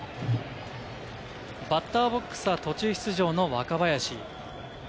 バッターボックスは途中出場の若林。